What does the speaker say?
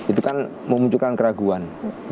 itu kan memunculkan keraguan